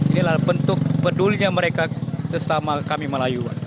inilah bentuk pedulinya mereka sesama kami melayu